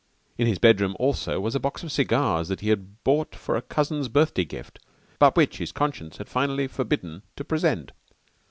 In his bedroom also was a box of cigars that he had bought for a cousin's birthday gift, but which his conscience had finally forbidden to present.